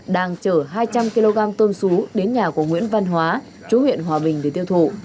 đang chở hai trăm linh kg tôm xú đến nhà của nguyễn văn hóa chú huyện hòa bình để tiêu thụ